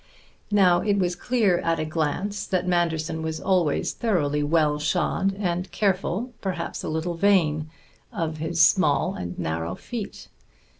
Now it was clear at a glance that Manderson was always thoroughly well shod and careful, perhaps a little vain, of his small and narrow feet.